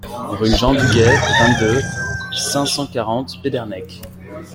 Rue Jean Dugay, vingt-deux, cinq cent quarante Pédernec